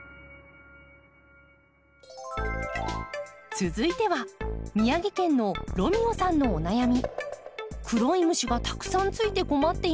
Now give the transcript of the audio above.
続いては宮城県のロミオさんのお悩み。